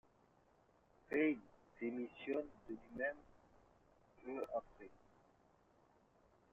Pei démissionne de lui-même peu après.